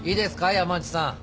山内さん。